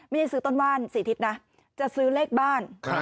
ไม่ใช่ซื้อต้นว่านสีทิศนะจะซื้อเลขบ้าน